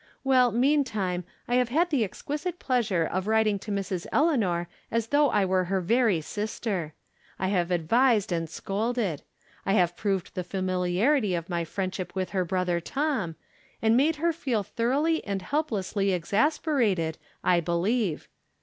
Well, meantime, I have had the. exquisite pleasure of writing to Mrs. Eleanor as though I were her very sister. I have advised and scolded. I have proved the familiarity of 228 From Different Standpoints. my friendship witli lier brotlier Tom, and made her feel thoroughly and helplessly esasperated, I believe.